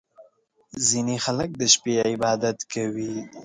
• ځینې خلک د شپې عبادت کوي.